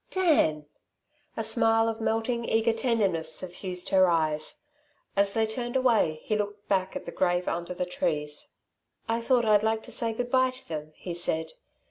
"Dan!" A smile of melting, eager tenderness suffused her eyes. As they turned away he looked back at the grave under the trees. "I thought I'd like to say good bye to them," he said.